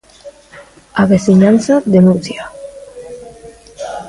A veciñanza denuncia.